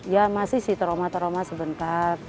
ya masih sih trauma trauma sebentar